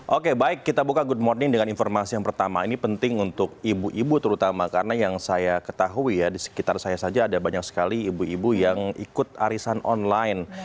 oke baik kita buka good morning dengan informasi yang pertama ini penting untuk ibu ibu terutama karena yang saya ketahui ya di sekitar saya saja ada banyak sekali ibu ibu yang ikut arisan online